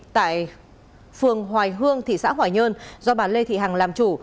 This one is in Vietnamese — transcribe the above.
tại phường hoài hương thị xã hoài nhơn do bà lê thị hằng làm chủ